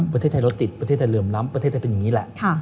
ประเทศไทยรถติดประเทศไทยเหลื่อมล้ำประเทศไทยเป็นอย่างนี้แหละ